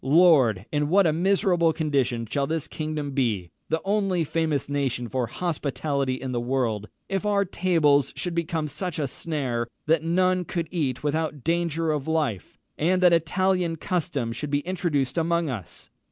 Lord! in what a miserable condition shall this kingdom be (the only famous nation for hospitality in the world) if our tables should become such a snare, as that none could eat without danger of life, and that Italian custom should be introduced among us!